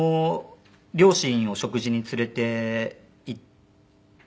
両親を食事に連れていってそうですね。